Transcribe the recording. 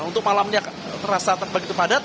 untuk malamnya terasa begitu padat